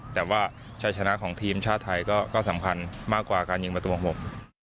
แต่ว่าชัยชนะของทีมชาติไทยก็สำคัญมากกว่าการยิงประตูของผม